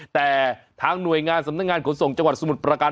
แต่ทางหน่วยงานสำนักงานขนส่งจังหวัดสมุทรประการ